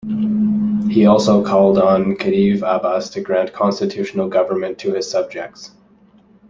He also called on Khedive Abbas to grant constitutional government to his subjects.